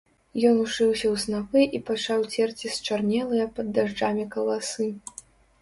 Ён ушыўся ў снапы і пачаў церці счарнелыя пад дажджамі каласы.